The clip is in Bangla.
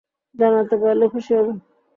জানাতে পারলে খুশি হব।